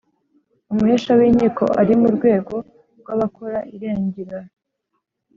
Umuhesha w’inkiko ari mu rwego rw’abakora irangizarubanza